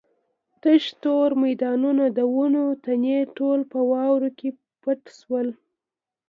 تش تور میدانونه د ونو تنې ټول په واورو کې پټ شول.